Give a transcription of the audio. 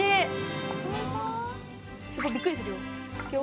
すごいびっくりするよ。